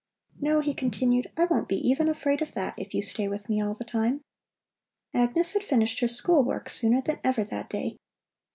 "No," he continued, "I won't be even afraid of that if you stay with me all the time." Agnes had finished her school work sooner than ever that day.